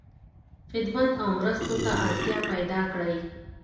خدمت او مرستو ته اړتیا پیدا کړی.